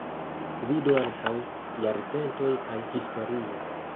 Vidu ankaŭ: Jarcentoj kaj Historio.